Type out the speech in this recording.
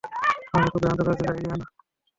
আমাকে খুব বিভ্রান্ত করে দিলে, ইলিয়ানা।